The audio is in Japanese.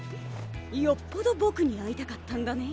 よっぽどボクに会いたかったんだね。